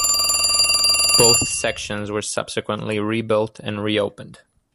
Both sections were subsequently rebuilt and reopened.